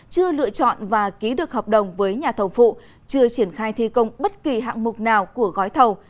chưa lựa chọn và ký được hợp đồng với nhà thầu phụ chưa triển khai thi công bất kỳ hạng mục nào của gói thầu